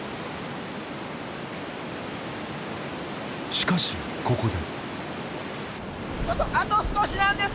しかしここで。